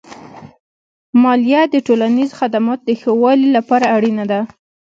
مالیه د ټولنیزو خدماتو د ښه والي لپاره اړینه ده.